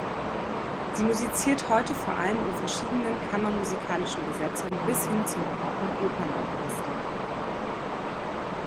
Sie musiziert heute vor allem in verschiedenen kammermusikalischen Besetzungen bis hin zum barocken Opernorchester.